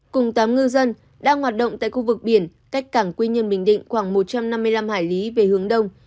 cùng tám ngư dân đang hoạt động tại khu vực biển cách cảng quy nhơn bình định khoảng một trăm năm mươi năm hải lý về hướng đông